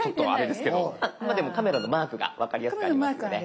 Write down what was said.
でもカメラのマークが分かりやすくありますよね？